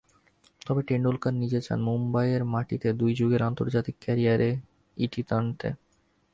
তবে টেন্ডুলকার নিজে চান মুম্বাইয়ের মাটিতেই দুই যুগের আন্তর্জাতিক ক্যারিয়ারে ইতি টানতে।